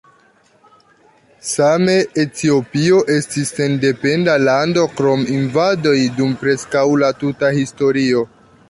Same Etiopio estis sendependa lando krom invadoj dum preskaŭ la tuta historio.